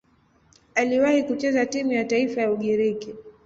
Aliwahi kucheza timu ya taifa ya Ugiriki.